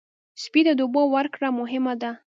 سپي ته د اوبو ورکړه مهمه ده.